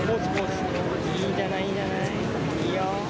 いいんじゃない？